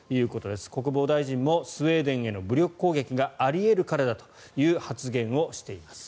国防大臣もスウェーデンへの武力攻撃があり得るからだという発言をしています。